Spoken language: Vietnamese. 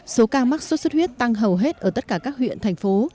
số ca mắc sốt xuất huyết tăng hầu hết ở tất cả các huyện thành phố